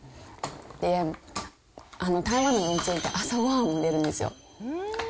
で、台湾の幼稚園って、朝ごはんも出るんですよ。